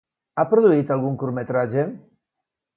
Ha produït algun curtmetratge?